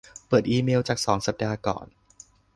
เปิดอีเมลจากสองสัปดาห์ก่อน